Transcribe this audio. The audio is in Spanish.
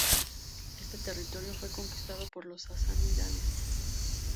Este territorio fue conquistado por los sasánidas.